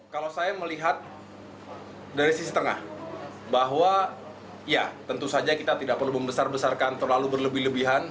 kalau saya melihat dari sisi tengah bahwa ya tentu saja kita tidak perlu membesar besarkan terlalu berlebih lebihan